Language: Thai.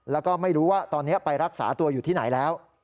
แล้วก็ไม่รู้ว่าตอนนี้ไปรักษาตัวอยู่ที่ไหนแล้ว